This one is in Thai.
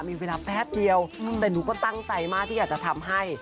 มีเวลาแป๊บเดียวแต่หนูก็ตั้งใจมากที่อยากจะทำให้